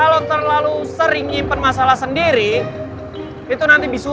kalo terlalu sering nyimpen masalah sendiri lo bisa nge summon aja sama gue